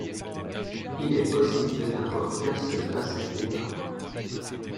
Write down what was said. Il est possible de n'avoir qu'un seul passager par banc.